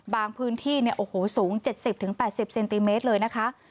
บางพื้นที่เนี่ยโอ้โหสูงเจ็ดสิบถึงแปดสิบเซนติเมตรเลยนะคะ